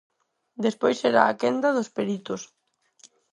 Despois será a quenda dos peritos.